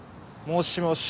もしもし。